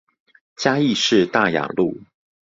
嘉義市大雅路